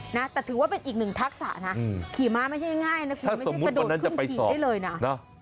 นะแต่ถือว่าเป็นอีกหนึ่งทักษะนะขี่ม้าไม่ใช่ง่ายนะคุณไม่ใช่กระโดดขึ้นขี่ได้เลยนะ